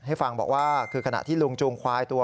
ให้ฟังบอกว่าคือขณะที่ลุงจูงควายตัว